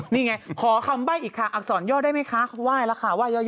นี่ไงขอคำใบ้อีกค่ะอักษรย่อได้ไหมคะเขาไหว้แล้วค่ะไห้ย่อ